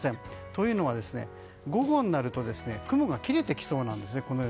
というのは午後になると雲が切れてきそうなんです。